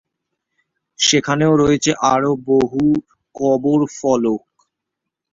সেখানেও রয়েছে আরো বহু কবর ফলক।